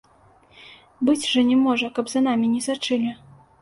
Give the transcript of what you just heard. Быць жа не можа, каб за намі не сачылі.